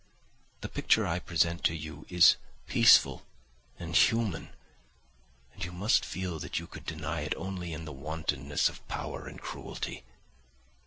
The picture I present to you is peaceful and human, and you must feel that you could deny it only in the wantonness of power and cruelty.